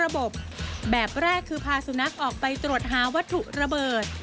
แบบแรกคือพาสุนัขออกไปตรวจหาวัตถุระเบิด